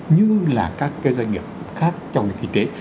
như là các cái doanh nghiệp khác trong kinh tế